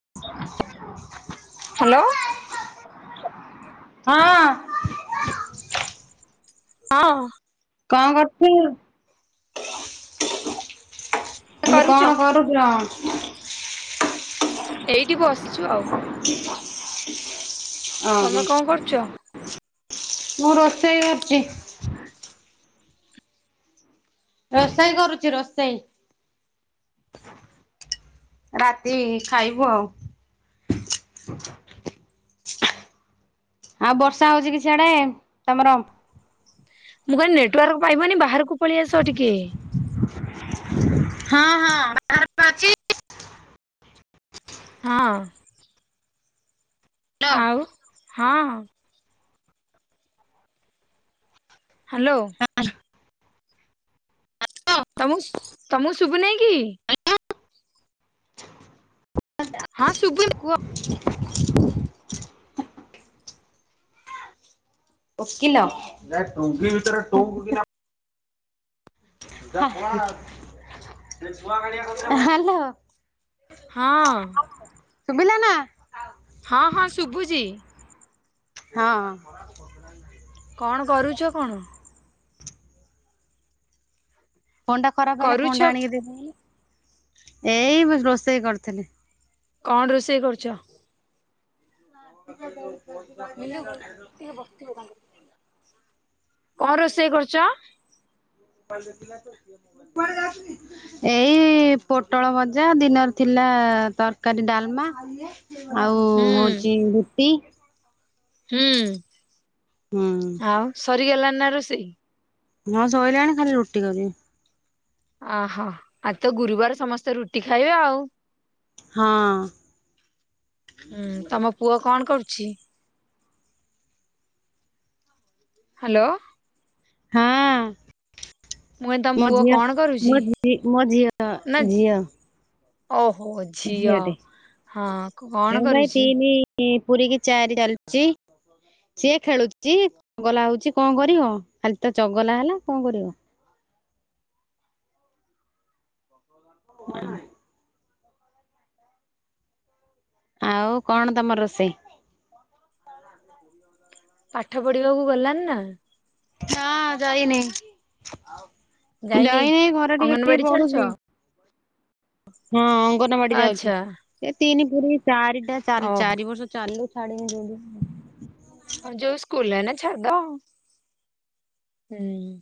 [inaudible] Hello. ହଁ ହଁ କଣ କରୁଥିଲୁ ମୁଁ କହିଲି କରୁଛ କଣ କରୁ ଥିଲା ଏଇଠି ବସିଛୁ ଆଉ। ଅଁ ହ ତମେ କଣ କରୁଛ? ମୁଁ ରୋଷେଇ କରୁଚି। ରୋଷେଇ କରୁଚି ରୋଷେଇ ରାତି ଖାଇବୁ ଆଉ। ଆଉ ବର୍ଷା ହଉଛି କି ସିଆଡ଼େ ତମର? ମୁଁ କହିନି ନେଟୱାର୍କ ପାଇବନି ବାହାରକୁ ପଳେଇ ଆସ ଟିକେ। ହଁ ହଁ ବାହାରେ ଅଛି। ହଁ। ଆଉ ହଁ ହଁ। ହ୍ୟାଲୋ ଆ ହଁ ତମକୁ ତମକୁ ଶୁଭୁ ନାଇଁ କି ଆଜା ହଁ ଶୁବୁନ କୁହ ଓକିଲୋ ଯାହା ଟୁଙ୍ଗି ଭିତରେ କୋଉ ଗୁଡ଼ିଆ ହ୍ୟାଲୋ ହଁ ସୁଭିଲା ନା ହଁ ହଁ ଶୁଭୁଛି ହଁ ଆଉ କପଡା ନାହିଁ କଣ କରୁଛ କଣ ଫୋନ୍ ଟା ଖରାପ ହେଲେ କରୁଛ ଫୋନ୍ ଟା ଆଣିକି ଦେଇ ଦଉନ ଏଇ ରୋଷେଇ କରୁଥିଲି କଣ ରୋଷେଇ କରୁଛ ସେ ବସିଥିବ କଣ କି କଣ ରୋଷେଇ କରୁଛ କୁଆଡେ ଯାଉଛିକି ଏଇ ପୋଟଳ ଭଜା ଦିନରେ ଥିଲା ତରକାରୀ ଡାଲମା ଆଉ ହୁଁ ହଉଛି ରୁଟି ହୁଁ ହୁଁ ଆଉ ସରିଗଲା ନା ରୋଷେଇ ହଁ ସରିଲାଣି ଖାଲି ରୁଟି କରିବି ଆ ହୋ ଆଜି ତ ଗୁରୁବାର ସମସ୍ତେ ରୁଟି ଖାଇବେ ଆଉ ହଁ ହୁଁ ତମ ପୁଅ କଣ କରୁଛି? ହ୍ୟାଲୋ ହଁ ମୁଁ କହିଲି ତମ ମୋ ପୁଅ ଝିଅ କଣ କରୁଛି? ମୋ ଝି ମୋ ଝିଅ ନା ଝିଅ ଓହୋ ଝିଅ ଝିଅଟେ ହଁ କଣ କରୁଛି? ପୁୁରୀ କି ଚାରି ଚାଲିଛି ସିଏ ଖେଳୁଛି ଚଗଲା ହଉଛି କଣ କରିବ ଖାଲି ତ ଚଗଲା ହେଲା କଣ କରିବ? ହଁ ଆଉ କଣ ତମ ରୋଷେଇ? ପାଠ ପଢିବାକୁ ଗଲାନି ନା? ନା ଯାଇନି ଯାଇନି? ଯାଇନହି ଘରେ ଟିକେ ଟିକେ ଅଙ୍ଗନବାଡି ଛାଡୁଛ ପଢୁଛି ହଁ ଅଙ୍ଗନବାଡି ଯାଉଛି ଆଚ୍ଛା ଏ ତିନି ପୁରୀ ଚାରିଟା ଓହୋ ଚାରି ବର୍ଷ ଚାଲୁ ଛାଡ଼ିି ଯଦି ହଁ ଯୋଉ ସ୍କୁଲ ନା ଛାଡଦ ହୁଁ